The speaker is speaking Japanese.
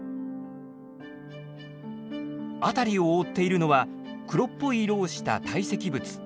辺りを覆っているのは黒っぽい色をした堆積物。